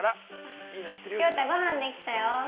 亮太、ごはんできたよ。